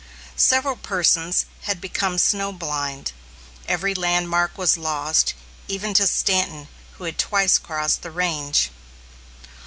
Several persons had become snow blind. Every landmark was lost, even to Stanton, who had twice crossed the range.